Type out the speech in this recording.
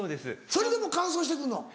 それでも乾燥して来んの？